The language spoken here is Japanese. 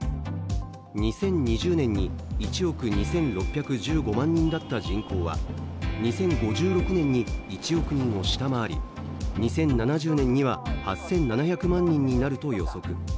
２０２０年に１億２６１５万人だった人口は２０５６年に１億人を下回り、２０７０年には８７００万人になると予測。